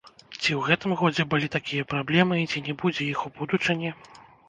Ці ў гэтым годзе былі такія праблемы і ці не будзе іх у будучыні?